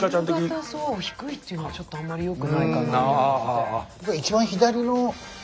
夕方低いっていうのはちょっとあんまりよくないかなと思って。